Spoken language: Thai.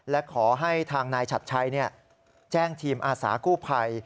และขอให้ทางนายฉัดชัยแจ้งทีมอาสากู้ภัย